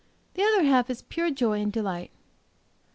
"The other half is pure joy and delight."